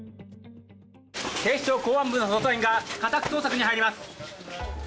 警視庁公安部の捜査員が、家宅捜索に入ります。